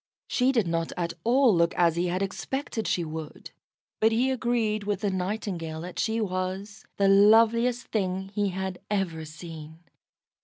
She did not at all look as he had expected she would, but he agreed with the Nightingale that she was the loveliest thing he had ever seen.